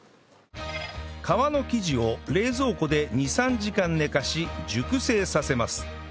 皮の生地を冷蔵庫で２３時間寝かし熟成させます